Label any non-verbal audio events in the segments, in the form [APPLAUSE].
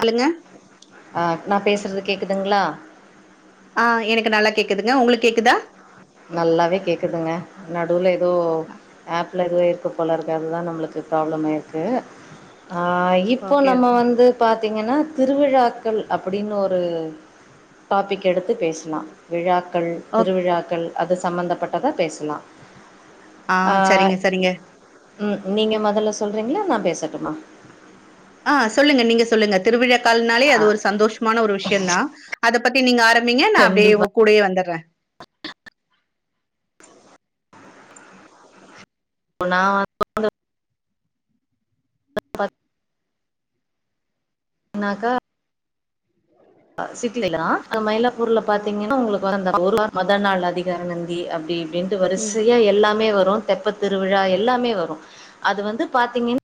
அல்லங்க அ நான் பேசுறது கேக்குதுங்களா ஆஹ் எனக்கு நல்லா கேக்குதுங்க உங்களுக்கு கேக்குதா நல்லாவே கேக்குதுங்க நடுவுல தோ ஆப் பல இதுவேய்ப்பு போல இருக்க அது தான் நம்மளுக்கு ப்ராப்ளம் இருக்குது இப்போ ஓகே நம்ம வந்து பாத் பார்த்தீங்கன்னா திருவிழாக்கள் அப்படின்னு ஒரு டாபிக் எடுத்து பேசலாம் விழாக்கள் கள் ஓகே திருவிழாக்கள் அது சம்மந்தப்பட்டதை பேசலாம் ஆஹ் செரிங்க செரிங்க ம் நீங்க முதல்ல சொல்றீங்களா நான் பேசட்டுமா ஆஹ் சொல்லுங்க நீங்க சொல்லுங்க திருவிழா திருவிழாக்கனாலே அது ஒரு சந்தோஷமான ஒரு விஷயம் தான் அதை பத்தி நீங்க ஆரம் நீங்க நான் அப்படியே கண்டிப்பா உங்க கூடயே வந்துடுறேன் இப்ப நான் வ ப அப்படினக்க சிட்டியிலா தான் மயிலாப்பூர்ல பாத்தீங்கன்னா உங்களுக்கு வந்த மொத நாள் அதிகார நந்தி அப்படி இண்டு ம் வரிசையா எல்லாமே வரும் ரோல் தெப்ப திருவிழா எல்லாமே வரும் அது வந்து பார்த்தீங்கன்னா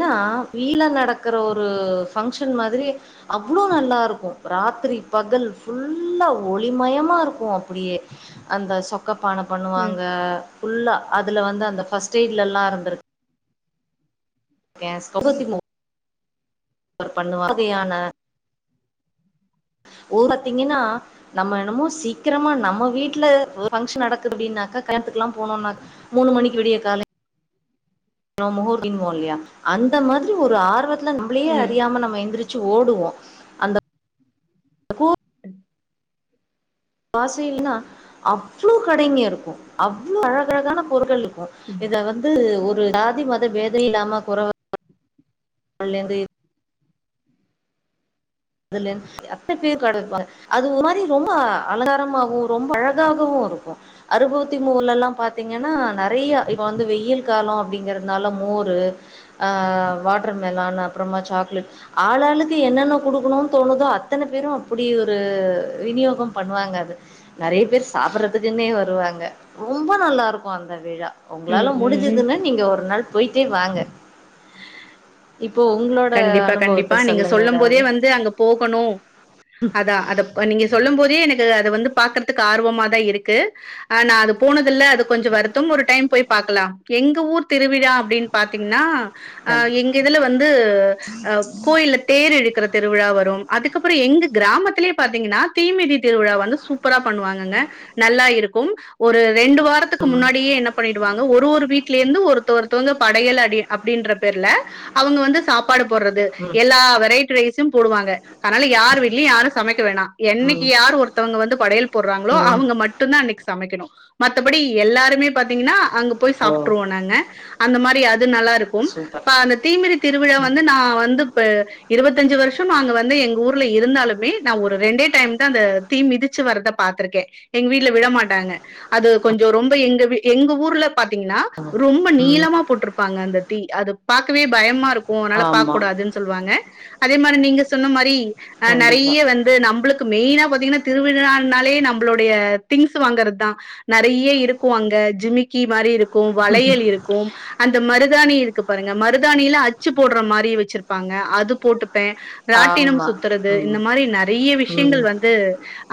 ஏன்னா வீழ நடக்கற ஒரு பஃங்க்ஷன் மாதிரி அவ்வளோ நல்லா இருக்கும் ராத்திரி பகல் ஃபுல்லா ஒளிமயமா இருக்கும் அப்படியே அந்த சொக்க பானை ம் பண்ணுவாங்க ஃபுல்லா அதுல வந்து அந்த ஃபர்ஸ்ட் எய்ட்ல எல்லாம் இருந்திருக்கு கேஸ் அவ பண்ணுவகையான பாத்தீங்கன்னா நம்ம என்னமோ சீக்கிரமா நம்ம வீட்டுல பங்க்ஷன் நடக்குது அப்படின்னாக்கா கல்யாணத்துக்கெல்லாம் போனோம்னாக்க மூணு மணிக்கு விடிய காலைய முகூரின்மோம்ல்லையா அந்த மாதிரி ஒரு ஆர்வத்தை நம்மளே ம் அறியாம நம எழுந்திரிச்சு ஓடுவோம் அந்த வாசல்னா அவ்வளோ கடைங்க இருக்கும் அவ்வளோ அழகழகான பொரு்கள் இருக்கும் இத வந்து ஒரு ஜாதி மத வேத இல்லாம கொர வந்து த்த பேர் கடை வைப்பாங்க அது ஒரு மாதிரி ரொம்ப அழங்காரமாகவும் ரொம்ப அழகாகவும் இருக்கும் அறுபகுத்தி மூல எல்லாம் பாத்தீங்கன்னா நிறைய இப்ப வந்து வெயில் காலம் அப்படிங்கறிறதுனால மோரு ஆஹ் வாட்டர்மெலன் அப்புறமா சாக்லேட் ஆளாளுக்கு என்னன்ன கொடுக்கணும் தோணுதோ அத்தனை பேரும் அப்படி ஒரு விநியோகம் பண்ணுவாங்க நிறைய பேர் சாப்பிடடுறதுக்குன்னே வருவாங்க ரொம்ப நல்லா இருக்கும் அந்த விழா உங்களால ம் ம் ம் முடிஞ்சதுன்னு நீங்க ஒரு நாள் போயிட்டே வாங்க இப் இப்போ உங்களோட கண்டிப்பா கண்டிப்பா அனுபவத்த நீங்க சொல்லுங்க சொல்லும் ஏதாவது போதே வந்து அங்க போகணு அதா அத நீங்க சொல்லும் போது தே எனக்கு அது வந்து பாக்கற்துக்கு ஆர்வமா தா இருக்கு நா அது போனதில அது கொஞ்ச வருத்தம் ஒரு டைம் போய் பாக்கலா எங்க ஊர் திருவிழா அப்டின்னு பாத்தீங்கன்னா அ ம் எங்க இதுல வந்து உ கோயில தேர் எழுக்கிற தே திருவிழா வரு அதுக்கப்புறோ எங்க கராமத்திலே பாத்திங்கன்னா தீ மிதி திருவிழா வந்து சூப்பரா பண்ணுவாங்கங்க நல்லா இருக்கும் ஒரு ரெண்டு வாரத்துக்கு முன்னாடியே என்ன பண்ணிடுவாங்க ஒரு ஒரு வீட்டில இருந்து ஒருத்தஒருத்தவங்க படையல் அ அப்டின்ற பேர்ல அவங்க வந்து சாப் சாப்பாடு போடுறது எல்லா வெரைட்டி ரைஸ்ம் போடுவாங்க அதனால யார் வீட்லயு யாரு சமைக்க வேணா என்னைக்கு ம் யார் ஒருத்தவங்க வந்து படையல் போடுறாங்களோ ம் அவங்க மட்டுந்தா இன்னைக்கு சமைக்கணு மத்தபடி எல்லாருமே பாத்தீங்கன்னா அங்க போய் ஓ சாப்ட்ருவோ நாங்க அந்த மாதிரி அது நல்லா இரு க்கும் சூப்பர் பானத் தீமிரி திருவிழாவா ம். வந்து நா வந்து இப்ப இருபத்தஞ்சு வருஷம்ங்க வந்து எங்க ஊர்ல இருந்தாலுமே நா ஒரு ரெண்டே டைம் தா அந்த தீ மிதிச்சு வர்றத பாத்திருக்கே எங்க வீட்டுல விட மாட்டாங்க அது கொஞ்ச ரொம்ப எங்க எங்க ஊர்ல பாத்தீங்கன்னா ரொம்ப நீளமா போட்ருப்பாங்க அந்த தீ அது பாக்கவே பயமா இருக் ஓ னால பாக்க ஆமா கூடாதுன்னு சொல்லுவாங்க அதே மாரி நீங்க சொன்ன மாரி ஆ கண்டிப்பா. நறையா வந்து நம்ளுக்கு மெயினா பாத்தீங்கன்னா திருவிழானாலே நம்மளுடைய திங்ஸ் வாங்குற தா நறைய இருக்கு அங்க ஜிமிக்கி மாரி இருக் கு வளையல் இருக்கு அந்த மருதாணி இரு க்கு பாருங்க மருதானில அச் ச்சு போடுற மாரி வச்சிருப்பாங்க அது போட்டு ப்பே ராட்டினம் ஆமா. சுத்துறது ம். இந்த மாரி நறையா விஷயங்கள் ம். வந்து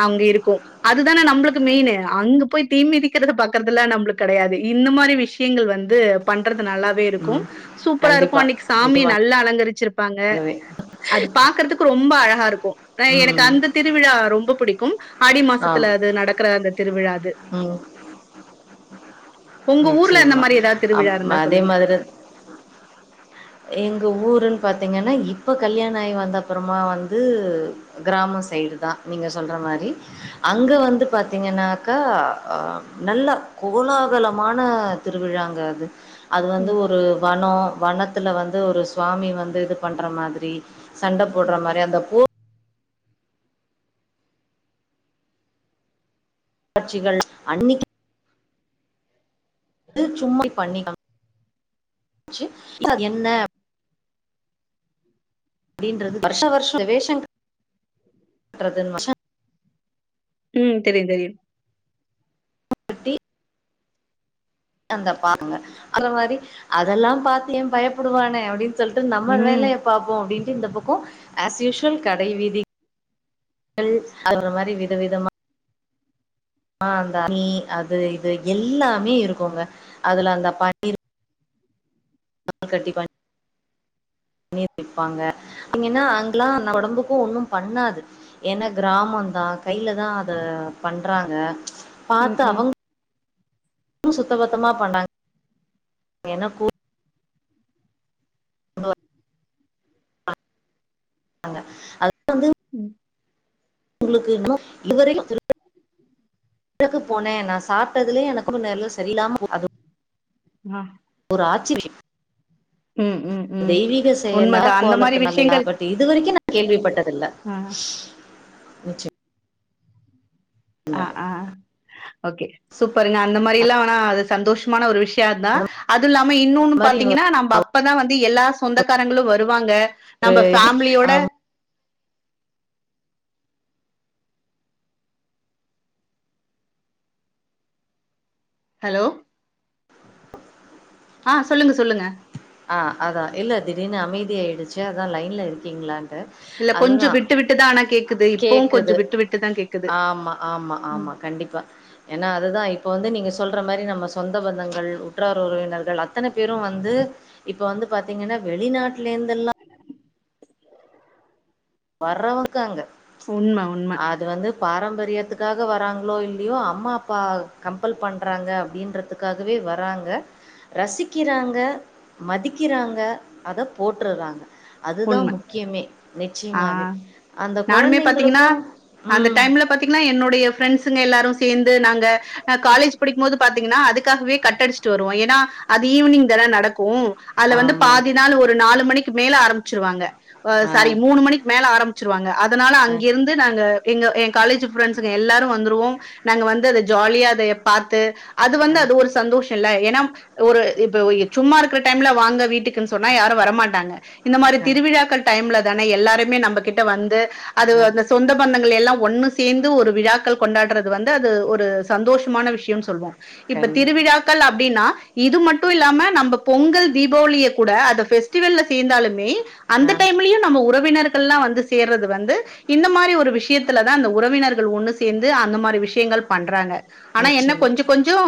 அங்க இருக் கு அதுதானே நம்மளுக்கு மெயினு அங்க போய் தீமிதிக்கிரத பாக்கரதுலா நம்ள கடையாது இந்த மாரி விஷயங்கள் வந்து பண்றத் நல்லாவே இருக்கு ம். சூப்பரா இருக்கு கண்டிப்பா. அன்னைக்குஸ் சாமி நிச்சயமா. நல்லா அலங்கரிச்சிருப்பாங்க அது பாக்றதுக்கு ரொம்ப அழகா இருக்கு எனக்கு ம். அந்த திருவிழா ரொம் ப பிடிக்கும் ஆடி மாசத்துல அது நடக்கற அந்த திருவிழா அது உ உங்க ஊர்ல அந்த மாரி ஏதாவது அப் திருவிழா இருந்தா அதே சொல்லுங்க மாதிரி எங்க ஊருன்னு பாத்தீங்கன்னா இப்ப கல்யாணம் ஆகி வந்த அப்புறமா வந்து கிராம சைடு னா நீங்க சொல்ற மாரி அங்க வந்து பாத்தீங்கன்னாக்கா அ நல்ல கோலாகலமான திருவிழாங்க அது அது வந்து ம், ஒரு வனோ வனத் த்துல வந்து ஒரு சுவாமி வந்து இது பண்ற மாதிரி சண்ட போட்ற மாதிரி அந்த போ காட்சிகள் அன்னைக்கு சும்மை பண்ணிக்காம்சி அது என்ன அப்படின்றது வருஷ வருஷம் வேஷம் கட்றதுனு உ தெரியு தெரியு கட்டி அந்த பாங்க அந்த மாரி அதெல்லா பாத் ஏ பயப்படுவானே அப்டின்னு சொல்லிட்டு நம்ம ம் வேலைய பாப்போ அப்படின்னு இந்த பக்கோ ஆஸ் யூசுவல் கடை வீதி கள் அந்த மாரி விதவிதமான ஆ அந்த தி அது இது எல்லாமே இருக்குங்க அதுல அந்த பனீர் கட்டி பா பண்ணி வப்பாங்க அங்கன்னா அங்கெல்லா உடம்புக்கு ஒண்ணு பண்ணாது ஏன்னா கிராமந்தா கையில தா அத பண்றாங்க பாத்த ம் ம் அவுங் கு சுத்த பத்தமா பண்ணாங்க எனக்கூ [UNINTELLIGIBLE] உ உங்களுக்கு இன்னு இவரைக்கு போனேன் நா சாப்பிட்டதுலயே எனக்கு நேரல சரியலாம அது ஆ காச்சி [UNINTELLIGIBLE] ம் ம் ம் தெய்வீக செயலா உண்மைதான் அந்த மாதிரி கோலத்து நாலையா விஷயங்கள் பட் இது வரைக்கு நா கேள்விப்பட்டது துல்ல ஆ நிச்சயம் ஆ ஆ ஓகே சூப்பருங்க அந்த மாரி எல்லா வேனா அது சந்தோஷமான ஒரு விஷ் யா அத்தா அந்த அது இல்லாம இன்னொன்னு மாதிரி ஒரு பாத்தீங்கன்னா நம்ம அப்பதா வந்து எல்லா சொந்தக்காரங்களு வருவாங்க நம்ம இது ஃபேமிலியோட ஆம், ஹலோ ஆ சொல்லுங்க சொல்லுங்க ஆ அதா இல்ல திடீர்னு அமைதியாயிடுச்சு அதா லைன்ல இருக்கீங்ளான் ட்டு இல்ல கொஞ்சோ அதுதா விட்டு விட்டுதா ஆனா கேக்குது இப்பவு கொஞ்சோ கேக்குது விட்டு விட்டுதா கேக்குது ஆமா ஆமா ம் ஆமா கண்டிப்பா ஏனா அதுதா இப்ப வந்து நீங்க சொல்ற மாரி நம்ம சொந்த பந்தங்கள் உற்றார் உறவினர்கள் அத்தன பேரு வந்து இப்ப வந்து பாத்தீங்கன்னா வெளிநாட் லேந்தெல்லா வர்றவுக்காங்க உண்ம உண்ம ரியத்துக்காக வராங்ளோ இல்லயோ அம்மா அப்பா கம்பல் பண்றாங்க அப்டின்றதுக்காகவே வராங்க ரசிக்கிறாங்க மதிக்கிறாங்க அத போட்டுர்றாங்க அதுதா உண்ம முக்கியமே நெ ஆ நானுமே பாத்தீங்கனா அந்த ம். டைம்ல பாத்தீங்கனா என்னுடைய ஃப்ரெண்ட் ஸுங்க எல்லாரு சேந்து நாங்க அ காலேஜ் படிக்கும்போது பாத்தீங்கனா அதுக்காகவே கட்டடிச்சுட்டு வருவோ ஏனா அது ஈவினிங் தான நடக்கு அதுல வந்து ஆமா. பாதி நாள் ஒரு நாலு மணி க்கு மேல ஆரம் ச்சுருவாங்க அ ஆ, சாரி மூணு மணிக் மேல ஆரம்ச்சிருவாங்க அதனால அ, அங்கெருந்து நாங்க இங்க எ காலேஜு ஃப்ரெண்ட்ஸுங்க எல்லாரு வந்துருவோ நாங்க வந்து அத ஜாலியா அத பாத்து அது வந்து அ, அது ஒரு சந்தோஷல்ல ஏனா ஒரு இப்ப சும்மா இருக்குற டைம்ல வாங்க வீட்டுக்குன் சொன்னா யாரு வரமாட்டாங்க இந்த மாரி க, திருவிழாக்கள் டைம்ல தானெ எல்லாருமே நம்ப கிட்ட வந்து அது அ, அந்த சொந்த பந்தங் கள் எல்லா ஒன்னு சேந்து ஒரு விழாக்கள் கொண்டாட்றது வந்து அது ஒரு சந்தோஷமான விஷ்யம் சொல்வோ இப்ப கண் திருவிழாக்கள் அப்டின்னா இது மட்டு இல்லாம நம்ப பொங்கல் தீபாவளிய கூட அத ஃபெஸ்டிவல்ல சேந்தாலு மே அந்த ஆ, டைம்லயு நம்ம உறவினர் கள்லா வந்து சேர்றது வந்து இந்த மாரி ஒரு விஷயத்துல தா இந்த உறவினர் கள் ஒன்னு சேந்து அந்த மாரி விஷ்யங்கள் பண்றாங்க ஆனா என்ன நிச்சயமா. கொஞ்சொ கொஞ்சோ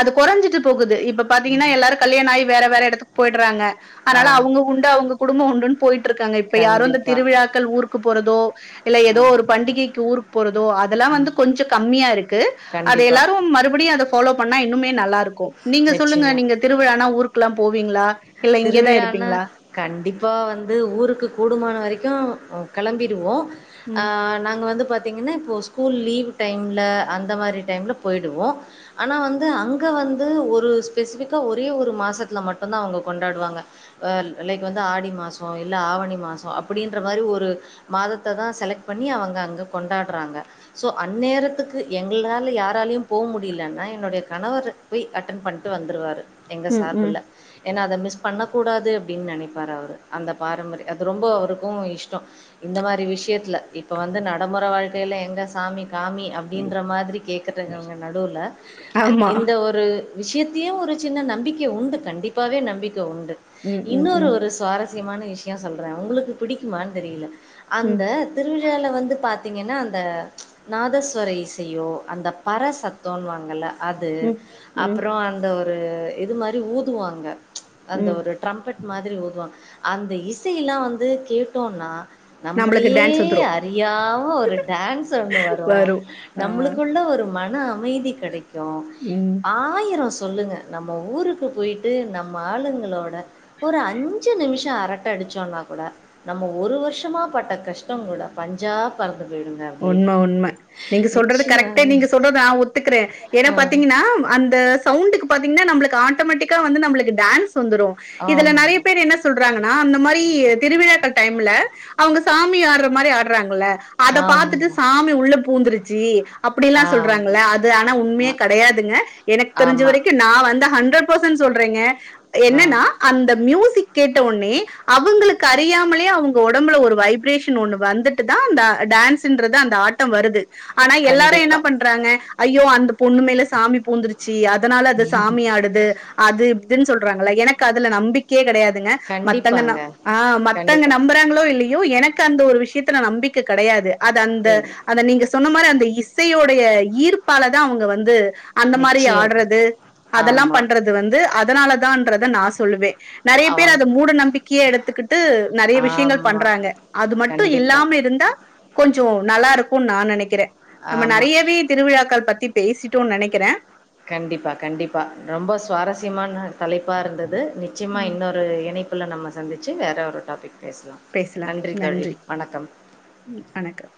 அது கொறஞ்சிட்டு போகுது இப் ப ம். பாத்தீங்கனா எல்லாரு கல்யாண ஆயி வேற வேற எடத்துக் போயிட்றாங்க ஆ, அனால அவுங்க உண்டு அவுங்க உண்டுன் போயி ட்ருக்காங்க இப்ப யாரு இந்த கண்டிப்பா. திருவிழாக்கள் ஊர் க்கு போறதோ இல்ல ஆ, ஏதோ ஒரு பண்டிகைக்கு ஊருக்கு போறதோ அதெல்லா வந்து ம். கொஞ்சம் கம்மியா இருக்கு. அது கண்டிப்பா. எல்லாரு மறுபடியு அத ஃபாலோ பண்ணா இன்னுமே நல்லா இருக்கு நீங்க சொல்லுங்க நிச்சயமா. நீங்க திருவிழானா ஊரு க்லா போவீங்களா இல்ல இங்கயேதா இருப்பீங்களா ப்பா வந்து ஊருக்கு கூடுமான வரைக்கு ஆ கெளம்பிருவோ ஆ ம் நாங்க வந்து பாத் தீங்கன்னா இப்போ ஸ்கூல் லீவு டைம்ல அந்த மாரி டைம்ல போயிடுவோ. ஆனா வந்து அங்க வந்து ஒரு ஸ்பெசிஃபிக்கா ஒரே ஒரு மாசத்துல மட்டும்தா அவங்க கொண்டாடுவாங்க ஆ லைக் வந்து ஆடி மாசோ இல்ல ஆவணி மாசோ அப்படின்ற மாரி ஒரு மாதத்ததா செலக்ட் பண்ணி அவங்க அங்க கொண்டாடறாங்க. சோ அந்நேரத்துக்கு எங்களால யாராலயு போக முடியலன்னா என்னுடைய கணவர் போய் அட்டன் பண்ட்டு வந்துருவாரு எங்க ம் ம் சார்புல. ஏன்னா அத மிஸ் பண்ணக்கூடாது அப்டின்னு நெனைப்பாரு அவரு அந்த பாரம்பரிய அது ரொம்போ அவருக்கு இஷ்டோ இந்த மாரி விஷயத்தில இப்போ வந்து நடமுறை வாழ்க்கைல எங்க சாமி காமி அப்டின்ற மாதிரி கேக்கறவங்க நடுவுல அ ஆமா இந்த ஒரு விஷயத்தையு ஒரு சின்ன நம்பிக்கை உண்டு கண்டிப் பாவே நம்பி க்க உண்டு ம் ம் இன்னொரு ம் ஒரு சுவாரஸ் அவசியமான விஷயோ சொல்ற உங்களுக்கு பிடிக்குமான்னு தெரியல ம் அந்த திருவிழால வந்து பா த்தீங்கன்னா அந்த நாதஸ்வர இசையோ அந்த பர சத்தோன்னுவாங்கல்ல அது ம் ம் அப்புறோ அந்த ஒ ரு இது மாரி ஊதுவாங் க அந்த ம் ஒரு டிரம்பட் மாதிரி ஊதுவாங்க அந்த இசையெல்லா வந்து கேட்டோன்னா நம்மளுக்கு நம்மளையே டான்ஸ் வந்துரு அறியாம ஒரு டான்ஸ் ஒன்னு வரு நம்மளுக்குள்ள ஒரு ம ன அமைதி கெடைக் கு ம் ஆயிரோ சொல்லுங்க நம்ம ஊருக்கு போயி ட்டு நம்ம ஆளுங்களோட ஒரு அஞ் ஞ்ச நிமிஷ அரட்ட அடிச்சோம்னா கூட நம்ம ஒரு வருஷமா பட்ட கஷ்டம் கூட பஞ்சா பறந் உண்ம உண்ம நீங்க சொல்றது கரெக்ட்டு நிச்சயமாங்க. நீங்க சொல்றது நா ஒத்துக்கறே ஏனா ஆ. பாத்தீங்கன்னா அந்த சவுண்டுக்கு பாத்தீங்கன்னா நம்மளுக்கு ஆட்டோமேட்டிக்கா வந்து நம்மளுக்கு டான்ஸ் வந்துரு இதுல நெறைய ஆமா, பேர் என்ன சொல்றாங்கன்னா அந்த மாரி திருவிழா கல் டைம்ல அவுங்க சாமி ஆடுற மாரி ஆடுறாங்கள அதப் பாத்துட்டு ஆமா, சாமி உள்ள பூந்துருச் ஜி அப்படிலா ஆமா, சொல்றாங்கள அது ஆனா உண்மையே ஆ, கெடையாதுங்க எனக்கு தெரிஞ்ச ஆமா. வரைக்கு நா வந்து ஹண் ஹண்ரடு பெர்ஸன்ட் சொல்றேங்க ஆ. என்னன்னா அந்த மியூசிக் கேட்ட உனே அவுங்களுக்கு அறியாமலே அவுங்க வொடம்புல ஒரு வைப்ரேஷன் ஒண்ணு வந்துட்டு தா அந்த டான்ஸ் ட்டுன்றது அந்த ஆட்டம் வருது ஆனா எல்லாரு என்ன கண்டிப்பா, பண்றாங்க ஐயோ அந்த பொண்ணு மேல சாமி பூந்துருச்சு தி அதனால அது சாமி ஆடுது அது இதுன் சொல்றாங்கள எனக்கு அதுல நம்பிக்கையே கெடையாது இதுங்க மத்தங்க கண்டிப்பாங்க. ஆ மத்தங்க கண்டிப்பா. நம்புறாங்களோ இல்ல யோ எனக்கு அந்த ஒரு விஷயத்துல நம்பிக்க கெடையாது அத அந்த இல் அத நீங்க செ சொன்ன மாரி அந்த இசையோடைய ஈர்ப்பால தா அவுங்க வந்து அந்த மாரி நிச்சயம். ஆடுறது அதெல்லா ஆமா. பண்றது வந்து அது அதனால தான்றத நா சொல்லுவே நெறைய பேர் அவங்க அத மூட நம்பிக்கைய எடுத்துக்கிட்டு நெறைய விஷயங்கள் ஆமா. பண்றாங்க அது மட்டு கண்டிப்பா. இல்லாம இருந்தா கொஞ்சோ நல்லா இருக்கு நா நெனைக்கிறே நம்ம ஆமா. நெறையவே திருவிழாக்கள் பத்தி பேசிட்டோன் நெனைக்கிறேன் கண்டிப்பா கண்டிப்பா ரொம்ப சுவாரஸ்யமான தலைப்பா இருந்தது நிச்சயமா ம், இன்னொரு இணைப் குள்ள நம்ம சந்திச்சு வேற ஒரு டாபிக் பேசலாம் பேசலாம் தோழி நன்றி வணக்கம் வணக்கம்